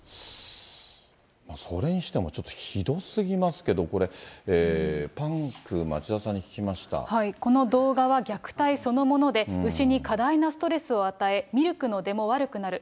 それにしてもちょっとひどすぎますけど、これ、この動画は虐待そのもので、牛に過大なストレスを与え、ミルクの出も悪くなる。